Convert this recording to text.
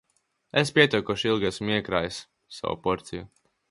"Es pietiekoši ilgi esmu "iekrājis" savu porciju."